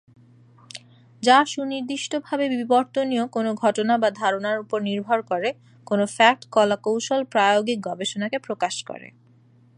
যা সুনির্দিষ্টভাবে বিবর্তনীয় কোনো ঘটনা বা ধারণার উপর নির্ভর করে, কোনো ফ্যাক্ট, কলাকৌশল, প্রায়োগিক গবেষণাকে প্রকাশ করে।